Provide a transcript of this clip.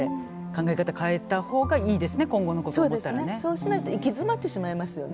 そうしないと行き詰まってしまいますよね。